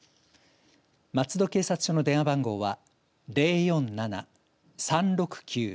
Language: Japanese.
松戸警察署の電話番号は０４７‐３６９‐０１１０